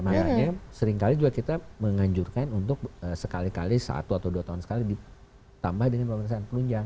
makanya seringkali juga kita menganjurkan untuk sekali kali satu atau dua tahun sekali ditambah dengan pemeriksaan penunjang